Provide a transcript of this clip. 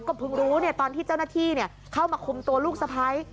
ก็เพิ่งรู้ตอนที่เจ้าหน้าที่เข้ามาคุมตัวลูกสะพ้าย